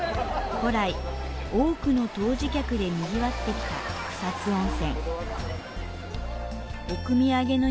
古来、多くの湯治客で賑わってきた草津温泉。